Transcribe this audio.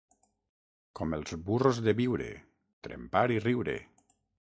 Com els burros de Biure, trempar i riure.